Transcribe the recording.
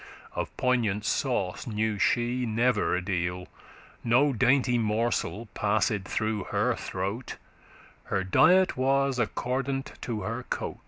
Of poignant sauce knew she never a deal.* *whit No dainty morsel passed through her throat; Her diet was *accordant to her cote.